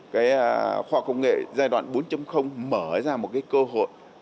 khoa học công nghệ giai đoạn bốn mở ra một cơ hội